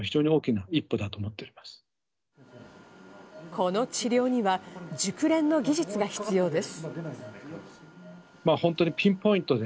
この治療には、熟練の技術が必要です。